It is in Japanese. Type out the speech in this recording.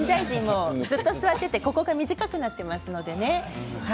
ずっと座っていて股関節の前が短くなっていますからね。